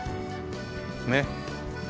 ねっ。